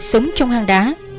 sống trong hang đá